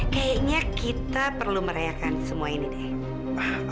kayaknya kita perlu merayakan semua ini deh